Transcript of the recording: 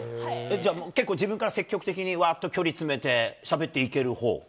じゃあ結構、自分から積極的にわっと距離詰めて、しゃべっていけるほう？